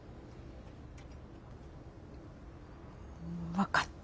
分かった。